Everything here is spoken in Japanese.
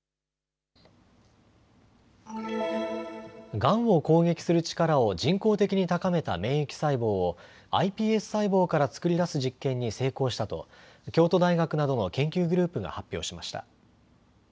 がんを攻撃する力を人工的に高めた免疫細胞をｉＰＳ細胞から作り出す実験に成功したと京都大学などの研究グループが発表しました。